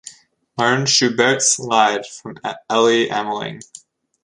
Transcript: Learned Schubert's Lied from Elly Ameling.